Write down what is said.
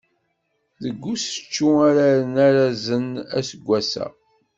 Deg usečču ara rren arazen aseggas-a.